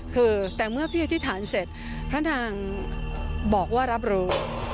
คือแต่เมื่อพี่อธิษฐานเสร็จพระนางบอกว่ารับรู้